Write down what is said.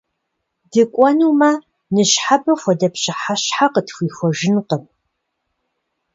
ДыкӀуэнумэ, ныщхьэбэ хуэдэ пщыхьэщхьэ къытхуихуэжынкъым!